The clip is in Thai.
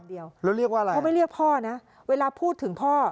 แล้วเรียกว่าอะไรเขาไม่เรียกพ่อนะเวลาพูดถึงพ่อ